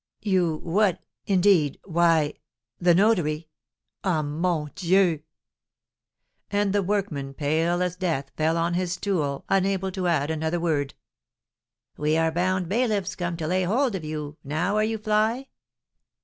"You what indeed why the notary ah, mon Dieu!" And the workman, pale as death, fell on his stool, unable to add another word. "We are bound bailiffs, come to lay hold of you; now are you fly?"